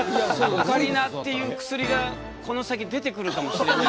オカリナっていう薬がこの先出てくるかもしれない。